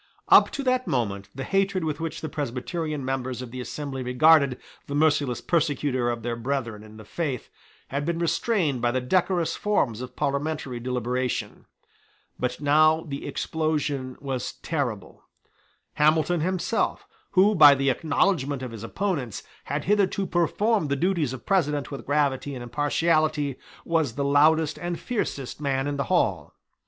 Up to that moment the hatred with which the Presbyterian members of the assembly regarded the merciless persecutor of their brethren in the faith had been restrained by the decorous forms of parliamentary deliberation. But now the explosion was terrible. Hamilton himself, who, by the acknowledgment of his opponents, had hitherto performed the duties of President with gravity and impartiality, was the loudest and fiercest man in the hall.